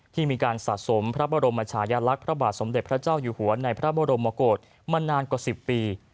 ที่มีการสะสมพระบรมชายลักษณ์พระบาทสมเด็จพระเจ้าอยู่หัวในพระบรมกฏมานานกว่า๑๐ปี